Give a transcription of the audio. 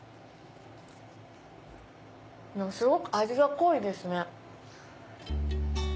すごく味が濃いですね。